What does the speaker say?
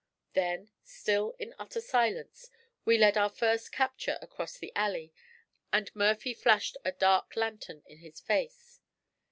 Then, still in utter silence, we led our first capture across the alley, and Murphy flashed a dark lantern in his face.